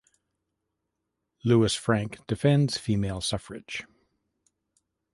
Louis Frank defends female suffrage.